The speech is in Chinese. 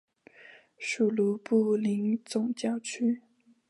属卢布林总教区。